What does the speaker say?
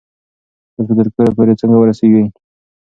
اوس به تر کوره پورې څنګه ورسیږي؟